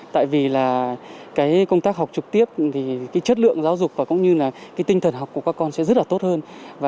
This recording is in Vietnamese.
tại vì công tác học trực tiếp chất lượng giáo dục và tinh thần học của các con sẽ rất tốt hơn